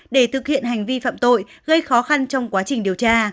để thực hiện hành vi phạm tội gây khó khăn trong quá trình điều tra